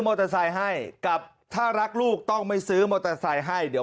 มอเตอร์ไซค์ให้กับถ้ารักลูกต้องไม่ซื้อมอเตอร์ไซค์ให้เดี๋ยว